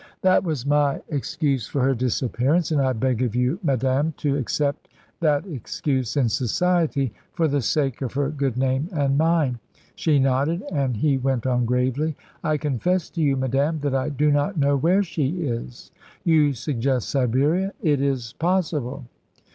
"That was my excuse for her disappearance, and I beg of you, madame, to accept that excuse in society, for the sake of her good name and mine." She nodded, and he went on gravely: "I confess to you, madame, that I do not know where she is. You suggest Siberia; it is possible."